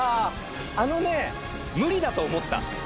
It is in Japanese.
あのね無理だと思った。